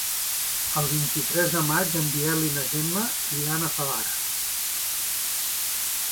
El vint-i-tres de maig en Biel i na Gemma iran a Favara.